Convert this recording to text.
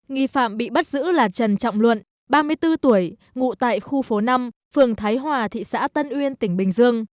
nghi phạm bị bắt giữ là trần trọng luận ba mươi bốn tuổi ngụ tại khu phố năm phường thái hòa thị xã tân uyên tỉnh bình dương